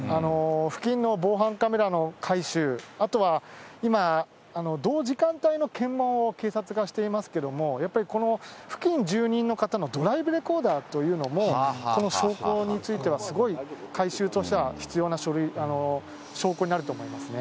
付近の防犯カメラの回収、あとは今、同時間帯の検問を警察がしていますけれども、やっぱりこの付近住民の方のドライブレコーダーというのも、この証拠については、すごい回収としては、必要な証拠になると思いますね。